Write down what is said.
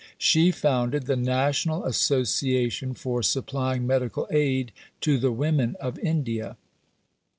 She founded the "National Association for Supplying Medical Aid to the Women of India."